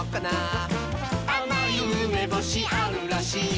「あまいうめぼしあるらしい」